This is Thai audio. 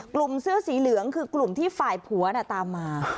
เสื้อสีเหลืองคือกลุ่มที่ฝ่ายผัวตามมา